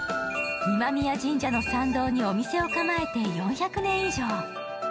今宮神社の参道にお店を構えて４００年以上。